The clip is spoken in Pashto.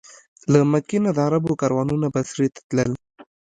له مکې نه د عربو کاروانونه بصرې ته تلل.